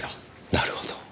なるほど。